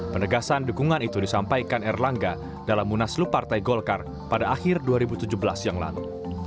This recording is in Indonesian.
penegasan dukungan itu disampaikan erlangga dalam munaslu partai golkar pada akhir dua ribu tujuh belas yang lalu